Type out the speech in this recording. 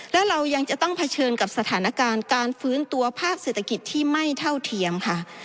และเรายังจะต้องเผชิญกับสถานการณ์การฟื้นตัวภาคเศรษฐกิจที่ไม่เท่าเทียมค่ะ